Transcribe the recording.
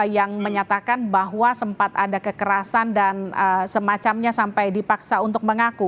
yang menyatakan bahwa sempat ada kekerasan dan semacamnya sampai dipaksa untuk mengaku